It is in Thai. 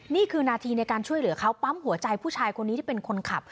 นี่คือนาทีในการช่วยเหลือเขาปั๊มหัวใจผู้ชายคนนี้ที่เป็นคนขับ